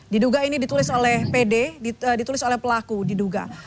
diduga ini ditulis oleh pd ditulis oleh pelaku diduga